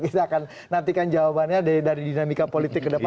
kita akan nantikan jawabannya dari dinamika politik ke depan